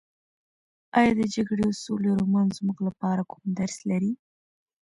ایا د جګړې او سولې رومان زموږ لپاره کوم درس لري؟